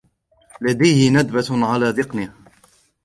لديه ندبه علي ذقنه.